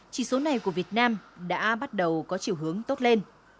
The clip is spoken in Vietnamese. chỉ số này của việt nam đã bắt đầu có chiều hướng tốt lên